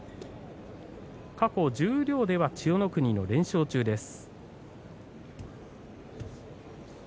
過去十両では千代の国の連勝中です。